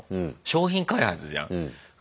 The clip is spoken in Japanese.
商品開発じゃん。